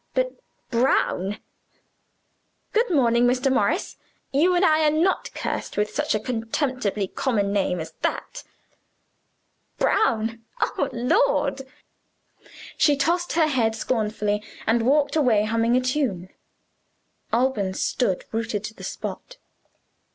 But 'Brown'! Good morning, Mr. Morris; you and I are not cursed with such a contemptibly common name as that! 'Brown'? Oh, Lord!" She tossed her head scornfully, and walked away, humming a tune. Alban stood rooted to the spot.